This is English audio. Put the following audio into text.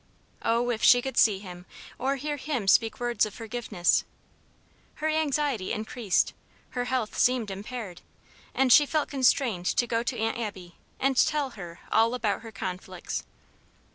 Oh, if she could see him, or hear him speak words of forgiveness. Her anxiety increased; her health seemed impaired, and she felt constrained to go to Aunt Abby and tell her all about her conflicts.